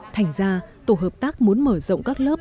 thành ra tổ hợp tác muốn mở rộng các lớp